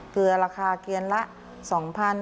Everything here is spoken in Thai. เกลือราคาเกลียนละ๒๐๐บาท